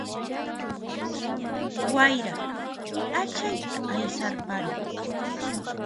Wayra ph'achayta aysarparin